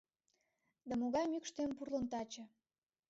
Да могай мӱкш тыйым пурлын таче?